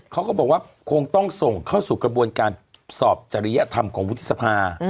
เขาก็บอกว่าคงต้องส่งเข้าสู่กระบวนการสอบจริยธรรมของวุฒิสภา